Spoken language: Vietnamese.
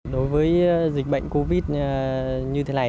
đối với dịch bệnh covid như thế này